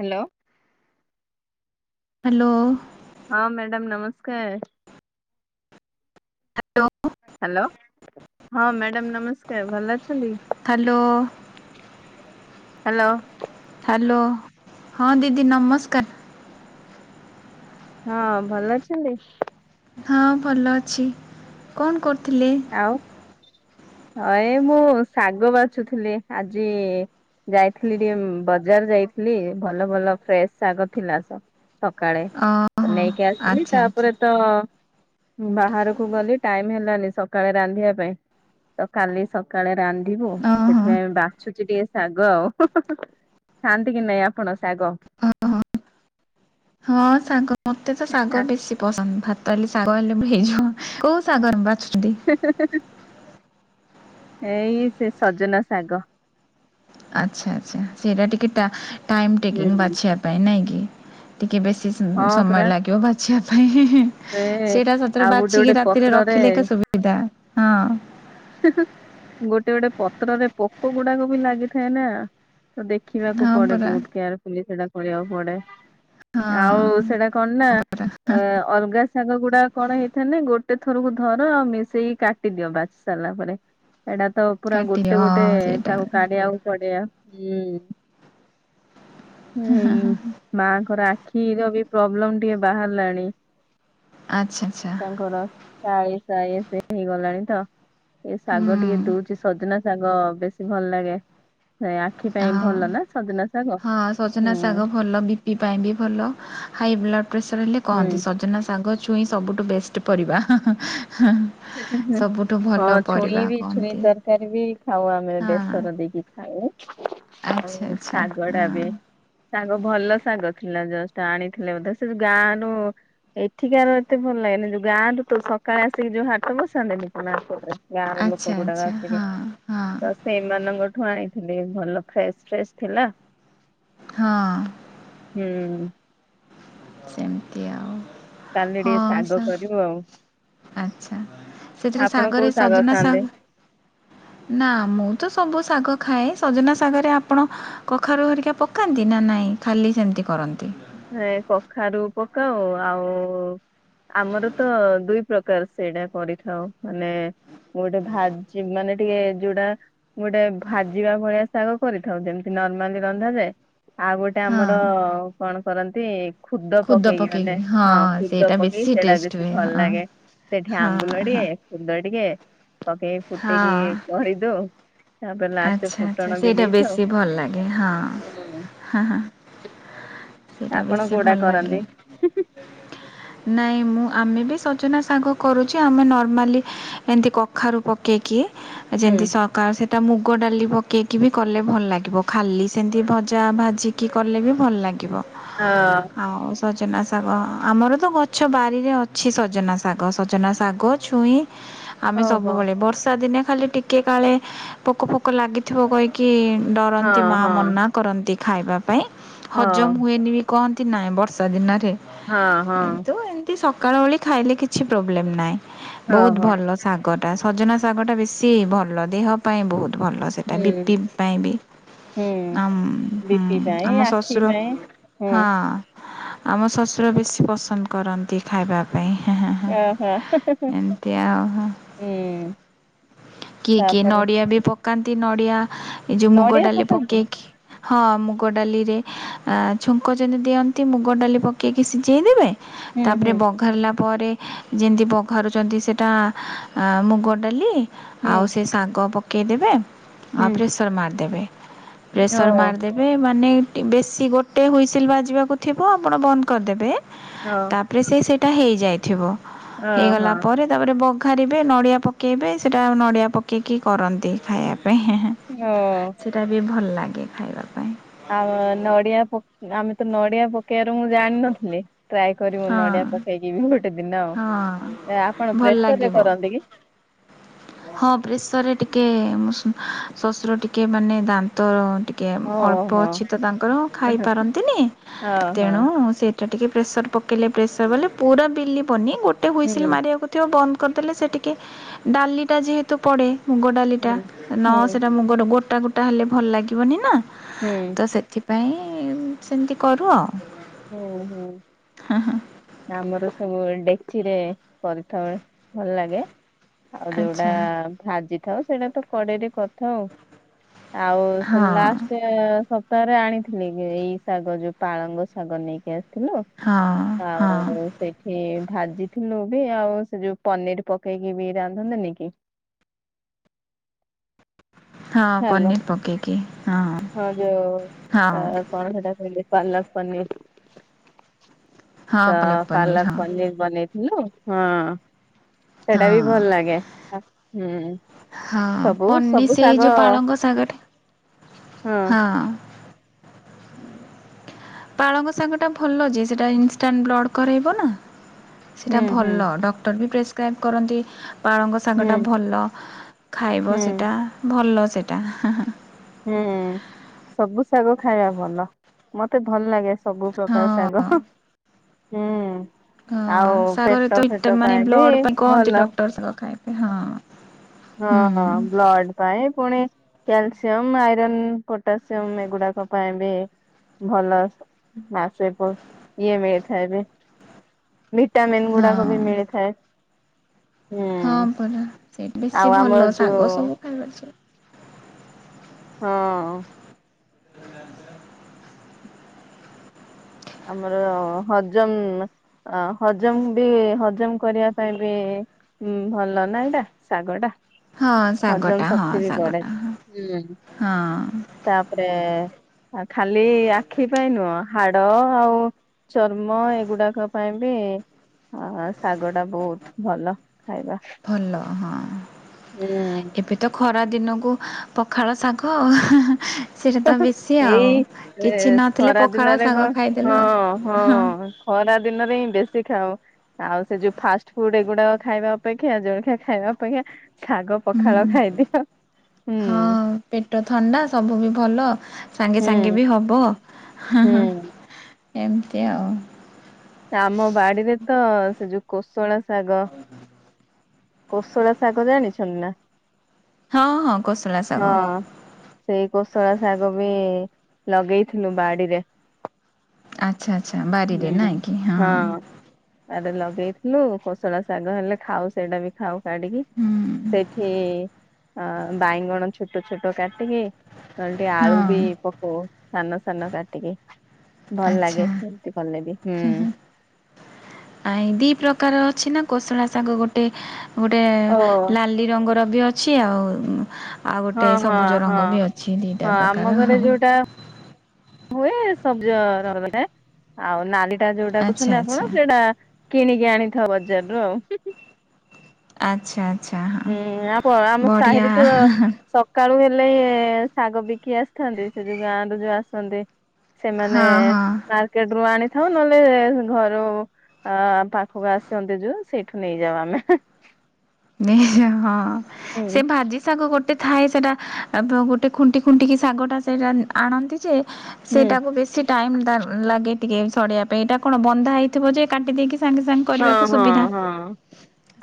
Hello. Hello. ହଁ madam ନମସ୍କାର। Hello. Hello ହଁ ମ୍ୟାଡ଼ାମ ନମସ୍କାର ଭଲ ଅଛନ୍ତି? ହ୍ୟାଲୋ। ହ୍ୟାଲୋ। ହ୍ୟାଲୋ ହଁ ଦିଦି ନମସ୍କାର। ହଁ ଭଲ ଅଛନ୍ତି? ହଁ ଭଲ ଅଛି କଣ କରୁଥିଲେ? ଆଉ ହ ଏ ମୁଁ ଶାଗ ବାଛୁଥିଲି ଆଜି ଯାଇଥିଲି ଟିକେ ବଜାର ଯାଇଥିଲି ଭଲ ଭଲ ଫ୍ରେଶ ଶାଗ ଥିଲା ଶାଗ ଥିଲା ତ ସକାଳେ ଓହୋ ନେଇକି ଆସିଲି ଆଚ୍ଛା ଆଚ୍ଛା ତାପରେ ତ ବାହାରକୁ ଗଲି ଟାଇମ ହେଲାନି ସକାଳେ ରାନ୍ଧିବା ପାଇଁ ତ କାଲି ସକାଳେ ରାନ୍ଧିବୁ ଓହୋ ସେଥିପାଇ ଏବେ ବାଛୁଚି ଟିକେ ଶାଗ ଆଉ ଖାଆନ୍ତି କି ନାଇଁ ଆପଣ ଶାଗ? ଓହୋ ହଁ ଶାଗ ମତେ ତ ଶାଗ ବେଶୀ ପସନ୍ଦ ଭାତ ଶାଗ ହେଲେ ହେଇଯିବ କୋଉ ଶାଗ ବାଛୁଛନ୍ତି? ଏଇ ସେ ସଜନା ଶାଗ। ଆଚ୍ଛା ଆଚ୍ଛା ସେଇଟା ଟାଇମ୍ ଟେକିଂଙ୍ଗ୍ ହୁଁ ବାଛିବା ପାଇଁ ନାଇଁ କି? ଟିକେ ବେଶୀ ହଁ ପରା ସମୟ ଲାଗିବ ବାଛିବା ପାଇଁ ହିଁ -ହିଁ- ହି ସେ ସେଇଟା ସତରେ ଆଉ ଗୋଟେ ଗୋଟେ ବାଛିକି ରାତିରେ ପତ୍ରରେ ରଖିଲେ ଏକ ସୁବିଧା ହଁ। ଗୋଟେ ଗୋଟେ ପତ୍ରରେ ପୋକ ଗୁଡାକ ବି ଲାଗିଥାଏ ନା ତ ଦେଖ୍ ଦେଖିବାକୁ ହଁ ପଡେ ପରା ବୋହୁତ୍ କେୟାରଫୁଲି ସେଟା କରିବାକୁ ପଡେ। ଆଉ ହଁ ସେଟା କଣ ନା କାଟିଦିଅ ଅ- ଅଲଗା ଶାଗ ଗୁଡା କଣ ହେଇଥାଏନା ଗୋଟେ ଥରକୁ ଧର ଆଉ ମିଶେଇ କାଟ୍ କାଟି ଦିଅ ବାଛି ସାରିଲା ପରେ ଏଇଟା ତ ପୁରା ଗୋଟେ ଗୋଟେ ହଁ ସେଇଟା ତାକୁ କାଢିବାକୁ ପଡିବ। ଇ ଏମାଙ୍କର ଆ କ୍ଷୀର ବି ପ୍ରୋବ୍ଲେମ ଟିକେ ବାହାରିଲାଣି ଆଚ୍ଛା ଆଚ୍ଛା ତାଙ୍କର। ଚାଏସାଏ ସେ ହେଇଗଲାଣି ତ ଏ ଶାଗ ହୁଁ ଟିକେ ଦୋଉଛି ସଜନା ଶାଗ ବେଶୀ ଭଲ ଲାଗେ ସେ ଆଖି ପାଇଁ ଆଉ ଭଲ ନା ସଜନା ଶାଗ ହଁ ସଜନା ଶାଗ ହୁଁ। ଭଲ ବି ପି ପାଇଁ ବି ଭଲ ହାଇ ବ୍ଲଡ୍ ପ୍ରେସର ହେଲେ ହୁଁ। କହନ୍ତି ସଜନା ଶାଗ ଛୁଇଁ ସବୁଠୁ ବେଷ୍ଟ ପରିବା [unintelligible] ହୁଁ- ହୁଁ-ହୁଁ। ସବୁଠୁ ଭଲ ହଁ ଛୁଇଁ ପରିବା ବି ଛୁଇଁ କହନ୍ତି ତରକାରୀ ବି ଖାଉ ଆମେ ହଁ ବେସର ଦେଇକି ଖାଉ। ଆଚ୍ଛା ଆଉ ଆଚ୍ଛା ଶାଗ ହଁ ଡା ବି। ଶାଗ ଭଲ ଶାଗ ଥିଲା ଜଷ୍ଟ୍ ଆଣିଥିଲେ ବୋଧେ ସେ ଯ ଗାଁରୁ ଏଠିକି ଆର ଏତେ ଭଲ ଲାଗେନି ଯୋଉ ଗାଁରୁ ତ ସକାଳେ ଆସିକି ଯୋଉ ହାଟ ବସାନ୍ତିନି କୁଣାପୁର୍ ରେ। ଗାଁ ର ଆଚ୍ଛା ଲୋକ ଗୁଡାକ ଆଚ୍ଛା ଆସିକେ ହଁ ହଁ ତ ସେ ସେମାନଙ୍କଠୁ ଆଣିଥିଲି ଭଲ ଫ୍ରେଶ୍ ଫ୍ରେଶ୍ ଥିଲା। ହଁ। ହୁଁ। ସେମିତି ଆଉ। କାଲି ଟିକେ ଶାଗ କରିବୁ ଆଉ। ଆଚ୍ଛା ସେଥିରେ ଆପଣ କୋଉ ଶାଗରେ ଶାଗ ସଜନା ଖାଆନ୍ତି? ଶାଗ୍ ନା ମୁଁ ତ ସବୁ ଶାଗ ଖାଏ ସଜନା ଶାଗରେ ଆପଣ। କଖାରୁ ହରିକା ପକାନ୍ତି ନା ନାଇଁ ଖାଲି ସେମିତି କରନ୍ତି? ଏ କଖାରୁ ପକାଉ ଆଉ-ଉ ଆମର ତ ଦୁଇ ପ୍ରକାର ସେଟା କରିଥାଉ ମାନେ ମୁଁ ଗୋଟେ ଭାଜି ମାନେ ଟିକେ ଯୋଉଟା। ମୁଁ ଗୋଟେ ଭାଜିବା ଭଳିଆ ଶାଗ କରିଥାଉ ଯେମିତି ନର୍ମାଲି ରନ୍ଧାଯାଏ। ଆଉ ଗୋଟେ ଆମର ହଁ କଣ କରନ୍ତି? ଖୁଦ ପକେଇକି ମାନେ ହଁ ଖୁଦ ସେଇଟା ପକେଇକି ବେଶୀ ସେଇଟା ଟେଷ୍ଟ ବେଶୀ ହୁଏ ଭଲ ହଁ। ଲାଗେ। ସେଠି ହଁ ଆମ୍ବୁଲ ଟିକେ ହଁ ଫୁନ୍ଦ ଟିକେ ପକେଇକି ଫୁଟେଇକି ହଁ। କରିଦଉ। ତାପରେ ଲାଷ୍ଟ ଆଚ୍ଛା ଆଚ୍ଛା ଫୁଟଣ ବି ସେଇଟା ଦେଇଥାଉ। ବେଶୀ ଭଲ ଲାଗେ ହଁ- ହୁଁ ହଁ -ହ ଆପଣ କୋଉଟା କରନ୍ତି? ନାଇଁ ମୁଁ ଆମେ ବି ସଜନା ସାଙ୍ଗ କରୁଚୁ ଆମେ ନର୍ମାଲି ଏମିତି କଖାରୁ ପକେଇକି ହୁଁ ଯେମିତି ସରକାର ସେ ମୁଗ ଡାଲି ପକେଇକି ବି କଲେ ଭଲ୍ ଲାଗିବ ଖାଲି ସେମିତି ଭଜା ଭାଜି କି କଲେ ବି ଭଲ୍ ଲାଗିବ। ହଁ। ଆଉ ସଜନା ଶାଗ ଆମର ତ ଗଛ ବାରିରେ ଅଛି ସଜନା ଶାଗ ସଜନା ଶାଗ, ଛୁଇଁ। ହ ଆମେ ସବୁବେଳେ ବର୍ଷା ଦିନେ ଖାଲି ଟିକେ କାଳେ ପୋକ ଫୋକ ଲାଗି ଥିବ କହିକି ହଁ ଡରନ୍ତି ମା ହଁ ମନା କରନ୍ତି ଖାଇବା ପାଇଁ ହଁ ହଜମ ହୁଏନି ବି କହନ୍ତି ନାହିଁ ବର୍ଷା ଦିନରେ ହଁ ହଁ। କିୁନ୍ତୁ ଏ ସକାଳ ଓଳୀ ଖାଇଲେ କିଛି ପ୍ରୋବ୍ଲେମ ନାହିଁ ବହୁତ ଓହୋ ଭଲ ଶାଗ। ଶାଗଟା ସଜନା ଶାଗ ଟା ବେଶି ଭଲ ଦେହ ପାଇଁ ବହୁତ ଭଲ ସେଇଟା ହୁଁ ବି ପି ପାଇଁ ବି। ହୁଁ ଆଁ ହୁଁ ବିପି ପାଇଁ ଆମ ଆଖି ଶଶୁର ପାଇଁ ହୁଁ ହଁ। ଆମ ଶଶୁର ବେଶୀ ପସନ୍ଦ କରନ୍ତି। ଖାଇବା ପାଇଁ ଓହୋ ଏମିତି ଆଉ। ହୁଁ କିଏ କିଏ ତାପରେ ନଡିଆ ବି ପକାନ୍ତି ନଡିଆ ଏ ଯୋଉ ମୁଗ ନଡିଆ ଡାଲି ପକାନ୍ତି ପକେଇକି। ହଁ ମୁଗ ଡାଲିରେ ଛୁଙ୍କ ଯମିତି ଦିଅନ୍ତି ମୁଗ ଡାଲି ପକେଇକି ସିଝେଇ ଦେେବେ। ହୁଁ ତାପରେ ହୁଁ ବଘାରିଲା ପରେ ଯେମିତି ବାଘରୁଛନ୍ତି ସେଇଟା ମୁଗ ଡାଲି ହୁଁ ଆଉ ସେ ଶାଗ ପକ୍ ପକେଇଦବେ ଆଉ ହୁଁ ପ୍ରେସର ମାରିଦେବେ ଓ ପ୍ରେସର ମାରିଦେବେ ଏବେ ମାନେ ବେଶୀ ଗୋଟେ ହୁଇସିଲ୍ ବାଜିବାକୁ ଥିବ ଆପଣ ବନ୍ଦ କରିଦେବେ। ହଁ ରେ ସେ ସେଇଟା ହେଇଯାଇଥିବ ହେଇଗଲା ଓହୋ ପରେ। ତାପରେ ବଘାରିବେ ନଡ଼ିଆ ପକାଇବେ ସେଇଟା ନଡ଼ିଆ ପକାଇକି କରନ୍ତି ଖାଇବା ପାଇଁ। ଓ ସେଟା ବି ଭଲ ଲାଗେ ଖାଇବା ପାଇଁ। ଆ ନଡିଆ ଆମେ ତ ନଡିଆ ପକେଇବାର ମୁଁ ଜାଣିନଥିଲି। ଟ୍ରାଏ କରିବୁ ହଁ ନଡିଆ ପକେଇକି ବି ଗୋଟେ ଦିନ ହଁ ଆଉ ଆପଣ ଭଲ ପ୍ରେସର ରେ ଲାଗିବ। କରନ୍ତି କି। ହଁ ପ୍ରେସରରେ ଟିକେ ଶଶୁର ଟିକେ ମାନେ ଦାନ୍ତ ଟିକେ। କେ ଓହୋ ଅଳ୍ପ ହଁ ଅଛି ତ ତାଙ୍କର ଖାଇପାରନ୍ତିନି ହଁ ତେଣୁ ସେ ସେଟା ଟିକେ ପ୍ରେସର ପକେଇଲେ ପ୍ରେସର ବଲେ ପୁରା ବିଲ ପନି ଗୋଟେ ହୁଇସିଲି ହୁଁ ମାରିବାକୁ ବନ୍ଦ କରିଦେଲେ ସେ ଟିକେ ଡାଲି ଟା ଯେହେତୁ ପଡେ ମୁଗ ଡାଲିଟା ହୁଁ ନ ହୁଁ। ସେଟା ମୁ ଗୋଟା ଗୋଟା ହେଲେ ଭଲ ଲାଗିବନି ନା ହୁଁ ତ ସେଥିପାଇଁ ସେମିତି କରୁ ଆଉ ହୁଁ ହୁଁ। ଆମର ସବୁ ଡେକ୍ ଚିରେ କରିଥାଉ ଭଲ ଲାଗେ। ଆଉ ଯୋଉଟା ଆଚ୍ଛା ଭାଜି ଥାଉ ସେଇଟା ତ କଡେଇରେ କରିଥାଉ ଆଉ। ଆଉ ସେ ହଁ ଲାଷ୍ଟ ସପ୍ତାହରେ ଆଣିଥିଲି ଏଇ ଶାଗ ଯୋଉ ପାଳଙ୍ଗ ଶାଗ। ଶାଗ ନେଇକି ଆସିଥିଲି। ହଁ। ହଁ ଆଉ ସେଇଠି ଭାଜିଥିଲୁ ବି ଆଉ ସେ ଯୋଉ ପନିର ପକେଇକି ବି ରାନ୍ଧନ୍ତନି କି। ହଁ ହ୍ୟାଲୋ ପନିର ପକେଇକି ହଁ ହଁ। ଆ କଣ ସେଇଟା କହିଲେ ପାଲକ ପନିର। ହଁ ତ ପାଲକ୍ ପନିର୍ ପାଲକ ହଁ ପନିର ବନେଇ ହଁ ସେଟା ବି ହଁ ଭଲ ଲାଗେ ହୁଁ। ହଁ ସବୁ ପନିର୍ ସବୁ ସେଇ ଶାଗ ଯୋଉ ପାଳଙ୍ଗ ଶାଗଟା ହଁ। ପାଳଙ୍ଗ ଶାଗଟା ଭଲ ଯେ ସେଇଟା ଇନଷ୍ଟାଣ୍ଟ ବ୍ଲଡ଼୍ କରେଇବ ନା। ସେଇଟା ହୁଁ ହୁଁ ଭଲ ଡକ୍ଟର ବି ପ୍ରେସ୍କ୍ରାଇବ୍ କରନ୍ତି। ପାଳଙ୍ଗ ହୁଁ ଶାଗଟା ଭଲ ଖାଇବ ହୁଁ ସେଇଟା ଭଲ ସେଇଟା। ହୁଁ ସବୁ ଶାଗ ଖାଇବା ଭଲ ମତେ ଭଲ ଲାଗେ। ସବୁ ପ୍ରକାର ଶାଗ ହୁଁ। ହଁ ଆଉ ପେଟ ଫେଟ ଶାଗରେ ମାନେ ପାଇଁ ବି ବ୍ଲଡ ପାଇଁ କହନ୍ତି ଭଲ ଡକ୍ଟର ଶାଗ ଖାଇବା ପାଇଁ ହଁ। ହଁ ହୁଁ ବ୍ଲଡ଼ ପାଇଁ ପୁଣି କ୍ୟାଲସିୟମ ଆଇରନ୍ ପଟାସିୟମ ଏଗୁଡାକ ପାଇଁ ବି ଭଲ ମାସେ ବ ଇଏ ମିଳିଥାଏ ବି ଭିଟାମିନ୍ ଗୁଡାକ ହଁ ବି ମିଳିଥାଏ ହଁ ହୁଁ ପରା ସେଇଠି ଆଉ ବେଶୀ ଆମର ଭଲ ଶାଗ ଯୋଉ ସବୁ ଖାଇବାର ଅଛି ହଁ ଆମର ହଜମ୍ ଅ ହଜମ୍ ବି ହଜମ କରିବା ପାଇଁ ବି ହୁଁ ଭଲ ନା ଏଇଟା ଶାଗ ଟା ହଁ ଶାଗଟା ହଜମ ହଁ ଶକ୍ତି ବି ବଢେ ଶାଗଟା ହଁ ହୁଁ ହଁ ତାପରେ ଖାଲି ଆଖି ପାଇଁ ନୁହଁ ହାର୍ଟ ଡ ଆଉ ଚର୍ମ ଏଗୁଡାକ ପାଇଁ ବି ହଁ ଶାଗ ଟା ବହୁତ୍ ଭଲ ଖାଇବା ଭଲ ହଁ ହୁଁ। ଏବେ ତ ଖରା ଦିନକୁ ପଖାଳ ଶାଗ ଆଉ ସେଇଟା ତ ବେଶୀ ଆଉ ଏଇ କିଛି ଏ ନଥିଲେ ଖରା ପଖାଳ ଦିନରେ କଣ ଶାଗ ଖାଇଦେଲ ହଁ ହଁ ଖରା ଦିନରେ ହିଁ ବେଶୀ ଖାଉ ଆଉ ସେ ଯୋଉ ଫାଷ୍ଟ ଫୁଡ୍ ଏଗୁଡା ଖାଇବା ଅପେକ୍ଷା ଜଳଖିଆ ଖାଇବା ଅପେକ୍ଷା ଶାଗ ପଖାଳ ହୁଁ। ଖାଇଦିଅ ହୁଁ ହଁ ପେଟ ଥଣ୍ଡା ସବୁ ବି ଭଲ ସାଙ୍ଗେ ସାଙ୍ଗେ ହୁଁ ବି ହବ ହଁ ହଁ ହୁଁ। ଏମତି ଆଉ ଆମ ବାଡିରେ ତ ସେ ଯୋଉ କୋଶଳା ଶାଗ କୋଶଳା ଶାଗ ଜାଣିଛନ୍ତି ନା ହଁ ହଁ କୋଶଳା ଶାଗ ହଁ ସେଇ କୋଶଳା ଶାଗ ବି ଲଗେଇଥିଲୁ ବାଡିରେ ଆଚ୍ଛା ଆଚ୍ଛା ବାଡ଼ିରେ ନାଇଁ କିି ହଁ ଆରେ ଲଗେଇଥିଲୁ କୋଷଳା ଶାଗ ହେଲେ ଖାଉ ସେଇଟା ବି ଖାଉ କାଢିକି ହୁଁ ସେଇଠି ଅ ବାଇଗଣ ଛୋଟ ଛୋଟ କାଟିକି ନହେଲେ ଟିକେ ଆଳୁ ହଁ ବି ପକଉ ସାନ ସାନ କାଟିକି ଭଲ ଲାଗେ ଆଚ୍ଛା। ସେମିତି କଲେ ବି ହୁଁ ଆ ଦି ପ୍ରକାର ଅଛି ନା କୋଶଳା ଶାଗ ଗୋଟେ ଗୋଟେ ଓ ଲାଲି ରଙ୍ଗର ବି ଅଛି ଆଉ ଆଉ ହଁ ଗୋଟେ ହଁ ସବୁଜ ହଁ ରଙ୍ଗ ବି ଅଛି ଦୁଇଟା ହଁ ଆମ ପ୍ରକାର ଘରେ ହଁ ଯୋଉଟା ହୁଏ ସବଜ ରଙ୍ଗଟା ଆଉ ନାଲି ଟା ଯୋଉଟା ଆଚ୍ଛା କହୁଛନ୍ତି ଆଚ୍ଛା ଆପଣ ସେଇଟା କିଣିକି ଆଣିଥାଉ ବଜାରରୁୁ ଆଉ ଆଚ୍ଛା ଆଚ୍ଛା ହଁ ହୁଁ ଆପ ଆମ ବଢ଼ିଆ ସାହିରେ ତ ସକାଳୁ ହେଲେ ଶାଗ ବିକି ଆସିଥାନ୍ତି ସେ ଯୋଉ ଗାଁ ରୁ ଯୋଉ ଆସନ୍ତି ସେମାନେ ହଁ ହଁ। ମାର୍କେଟ ରୁ ଆଣିଥାଉ ନହେଲେ ଘରୁ ଅ ପାଖକୁ ଆସନ୍ତି ଯୋଉ ସେଇଠୁ ନେଇଯାଉ ଆମେ ନେଇଯାଉ ହଁ ସେ ହୁଁ ଭାଜି ଶାଗ ଗୋଟେ ଥାଏ ସେଇଟା ଗୋଟେ ଖୁଣ୍ଟି ଖୁଣ୍ଟିକି ଶାଗଟା ସେଇଟା ଆଣନ୍ତି ଯେ ହୁଁ। ସେଇଟାକୁ ବେଶୀ ଟାଇମ୍ ତା ଲାଗେ ଟିକେ ଛଡେଇବା ପାଇଁ ଏଇଟା କଣ ବନ୍ଧା ହେଇଥିବ ଯେ କାଟି ଦେଇକି ସାଙ୍ଗେ ସାଙ୍ଗେ ହଁ କରିବାକୁ ହଁ ସୁବିଧା ହଁ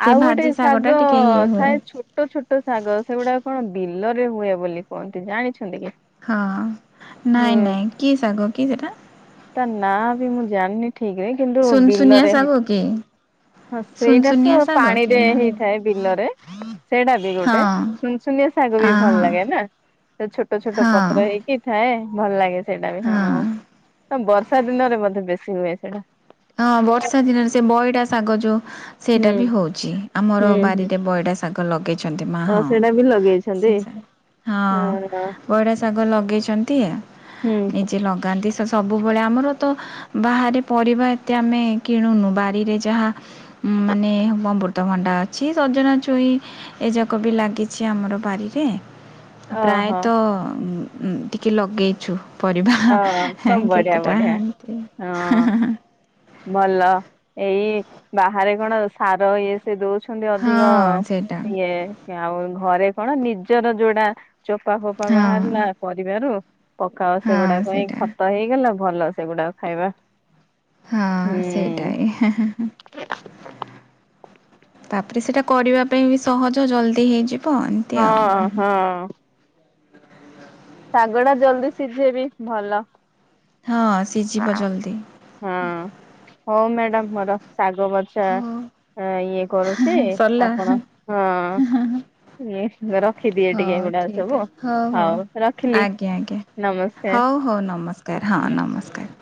ସେ ଆଉ ଗୋଟେ ଭାଜି ଶାଗଟା ଶାଗ ଟିକେ ଇଏ ହୁଏ। ଥାଏ ଛୋଟ ଛୋଟ ଶାଗ ସେଗୁଡାକ କଣ ବିଲରେ ହୁଏ ବୋଲି କୁହନ୍ତି ଜାଣିଛନ୍ତି କି? ହଁ ହୁଁ ନାଇଁ ନାଇଁ କି ଶାଗ କି ସେଟା? ତା ନାଁ ବି ମୁଁ ଜାଣିନି ଠିକ ରେ କିନ୍ତୁ ବିଲ ସାଗ କି। ହଁ ସେଇଟା ତ ସୁନସୁନିଆ ଶାଗ କି ପାଣିରେ ନା ହଁ ହେଇଥାଏ ବିଲରେ ସେଇଟା ବି ଆ ଗୋଟେ ସୁନସୁନିଆ ଶାଗ ବି ହଁ ଭଲ ଲାଗେ ନା ସେ ଛୋଟ ଛୋଟ ହଁ ପତ୍ର ହେଇ ଥାଏ ଭଲ ଲାଗେ ସେଇଟା ବି ହଁ ବର୍ଷା ଦିନରେ ମଧ୍ୟେ ବେଶୀ ହୁଏ ସେଇଟା। ହଁ ବର୍ଷା ଦିନରେ ସେ ବଇଟା ଶାଗ ଯୋଉ ସେଇଟା ହୁଁ ବି ହଉଛି ଆମର ହୁଁ ହୁଁ ବାରିରେ ପଇଡ଼ା ଶାଗ ଲଗେଇଛନ୍ତି ମା ଓ ହଁ। ସେଇଟା ବି ଲଗେଇଛନ୍ତି। ହଁ ପଇଡା ଶାଗ ଲଗେଇଛନ୍ତି ଅ। ହୁଁ ନିଜେ ଲଗାନ୍ତି ସବୁବେଳେ ଆମର ତ ବାହାରେ ପରିବା ଏତେ ଆମେ କିଣୁନୁ ବାରିରେ ଯାହା ମାନେ ମଁ ବବୃ। ରତଭଣ୍ଡା ଅଛି ସଜନା ଛୁଇଁ ଏଯାକ ବି ଲାଗିଛି ଆମର ବାଡିରେ। ଓହୋ ପ୍ରାୟତ ଉଁ ଉଁ କିଛି ଲଗେଇଛୁ। ପରିବା ଅ ବଢିଆ କେତେଟା ବଢିଆ ଏନ୍ତି। ହଁ। ଭଲ ଏଇ ବାହାରେ କଣ ସାର ଇଏ ସେ ଦଉଛନ୍ତି ଅଧିକ ହଁ ସେଇଟା ଇଏ ଆଉ ଘରେ କଣ ନିଜର ଯୋଉଟା ଚୋପା ଫୋପା ହଁ ବାହାରିଲା ପରିବାରୁ ପକା ଓ ହଁ ସେଗୁଡାକଇ ସେଇଟା ଖତ ହେଇଗଲା। ଭଲ ସେଗୁଡାକ ଖାଇବା। ହଁ ସେଇଟା ହୁଁ ହି। ତାପରେ ସେଇଟା କରିବା ପାଇଁ ବି ସହଜ ଜଲ୍ଦି ହେଇଯିବ ଏମିତି ହଁ ଆଉ। ହଁ। ଶାଗ ଟା ଜଲ୍ଦି ସିଝେବି ଭଲ। ହଁ ସିଯିବ ଜଲଦି। ହଁ ହଉ ମ୍ୟାଡାମ ମୋର ଶାଗବ ଟା ହଉ ଇଏ କରୁଛି ଆପଣ ସରିଲା ହଁ ରଖିଦିଏ ଟିକେ ହଉ ଏଗୁଡା ଠିକ୍ ସବୁ ଅଛି ହଉ ରଖିଲି। ଆଜ୍ଞା ଆଜ୍ଞା ନମସ୍କାର। ହଉ ହଉ ନମସ୍କାର ହଁ ନମସ୍କାର।